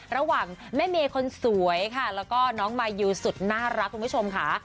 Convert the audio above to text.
ระหว่างแม่เมย์คนสวยค่ะแล้วก็น้องมายูสุดน่ารักคุณผู้ชมค่ะ